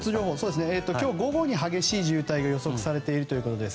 今日午後に激しい渋滞が予測されているということです。